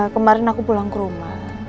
kemarin aku pulang ke rumah